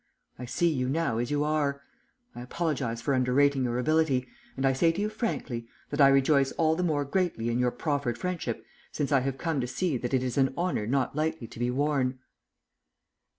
I see you now as you are. I apologize for underrating your ability, and I say to you frankly, that I rejoice all the more greatly in your proffered friendship since I have come to see that it is an honour not lightly to be worn."